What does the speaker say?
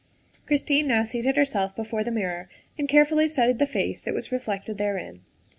Christine now seated herself before the mirror and carefully studied the face that was reflected therein.